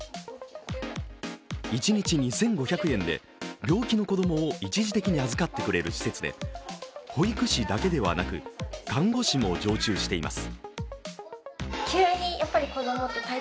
一日２５００円で病気の子供を一時的に預かってくれる施設で保育士だけではなく、看護師も常駐しています。